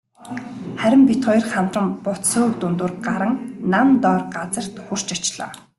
Харин бид хоёр хамтран бут сөөг дундуур гаран нам доор газарт хүрч очлоо.